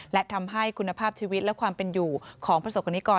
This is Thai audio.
และทำให้คุณภาพชีวิตและความเป็นอยู่ของประสบกรณิกร